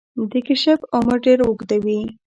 د کیشپ عمر ډیر اوږد وي